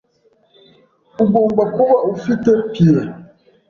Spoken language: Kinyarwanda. Ugomba kuba ufite pie.